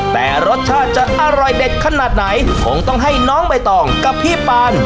แต่รสชาติจะอร่อยเด็ดขนาดไหนคงต้องให้น้องใบตองกับพี่ปาน